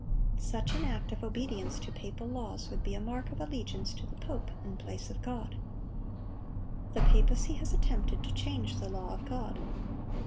Such an act of obedience to papal laws would be a mark of allegiance to the pope in the place of God. The papacy has attempted to change the law of God.